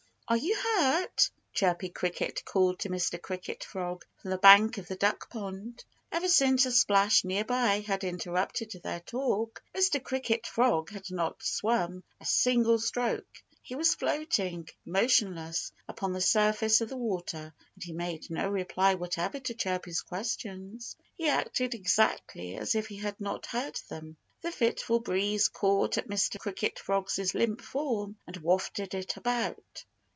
Are you hurt?" Chirpy Cricket called to Mr. Cricket Frog from the bank of the duck pond. Ever since a splash near by had interrupted their talk, Mr. Cricket Frog had not swum a single stroke. He was floating, motionless, upon the surface of the water. And he made no reply whatever to Chirpy's questions. He acted exactly as if he had not heard them. The fitful breeze caught at Mr. Cricket Frog's limp form and wafted it about.